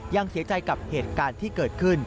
ยังเสียใจกับเหตุการณ์ที่เกิดขึ้น